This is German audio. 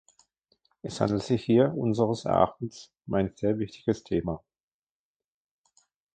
Es handelt sich hier unseres Erachtens um ein sehr wichtiges Thema.